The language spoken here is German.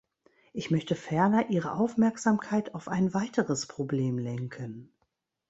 Ich möchte ferner Ihre Aufmerksamkeit auf ein weiteres Problem lenken.